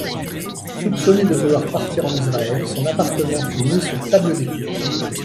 Soupçonné de vouloir partir en Israël, son appartement fut mis sur table d’écoute.